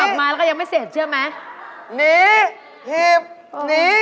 ว่ายี่